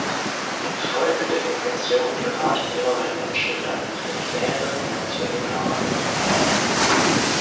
Infolge der Inflation geraten immer mehr Menschen in eine prekäre finanzielle Lage.